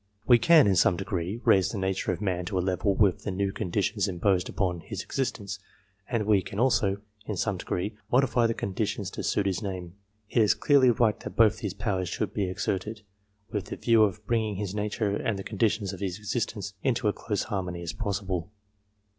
We can, in some degree, raise the nature of a man to a level with the new conditions imposed upon his existence, and we can also, in some degree, modify the conditions to suit his nature. It is clearly right that both these powers should be exerted, with the view of bringing his nature 334 THE COMPARATIVE WORTH and the conditions of his existence into as close harmony as possible.